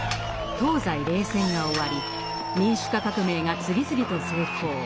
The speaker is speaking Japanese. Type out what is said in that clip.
東西冷戦が終わり民主化革命が次々と成功。